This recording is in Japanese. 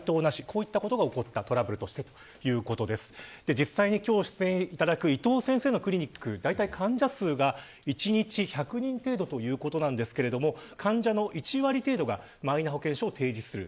実際に、今日出演いただく伊藤先生のクリニックだいたい患者数が１日１００人程度ということですが患者の１割程度がマイナ保険証を提示する。